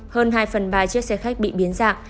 hơn hai phần ba chiếc xe khách bị biến dạng